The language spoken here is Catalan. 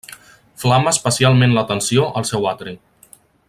Flama especialment l'atenció el seu atri.